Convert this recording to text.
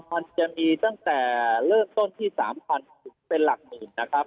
มันจะมีตั้งแต่เริ่มต้นที่๓๐๐๐นะครับ